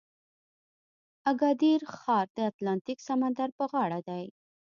اګادیر ښار د اتلانتیک سمندر په غاړه دی.